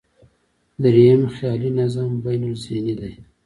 درېیم، خیالي نظم بینالذهني دی.